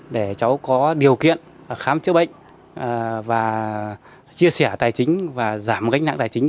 để cháu có điều kiện khám chữa bệnh và chia sẻ tài chính và giảm gánh nặng tài chính